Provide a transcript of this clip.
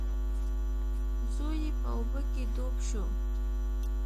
زوی یې په اوبو کې ډوب شو.